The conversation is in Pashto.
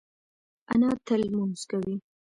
انا تل لمونځ کوي